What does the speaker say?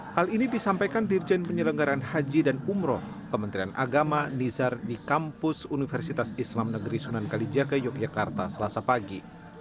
hal ini disampaikan dirjen penyelenggaran haji dan umroh kementerian agama nizar di kampus universitas islam negeri sunan kalijaga yogyakarta selasa pagi